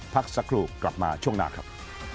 พักสักครู่กลับมาช่วงหน้าครับ